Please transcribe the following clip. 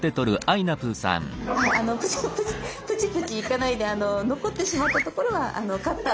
あのプチプチいかないで残ってしまったところはカッターの刃で。